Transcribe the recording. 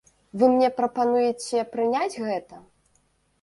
Вы мне прапануеце прыняць гэта?